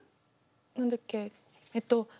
何だっけえっと